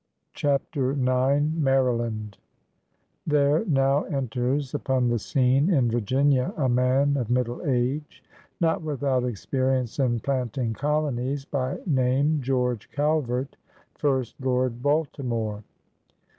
CHAPTER IX BIARTLAND Thebe now enters upon tlie scene in Virginia a man of middle age, not without experience in plant ing colonies, by name George Calvert, first Lord Baltimore.